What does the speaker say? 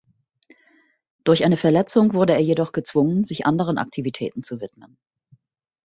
Durch eine Verletzung wurde er jedoch gezwungen, sich anderen Aktivitäten zu widmen.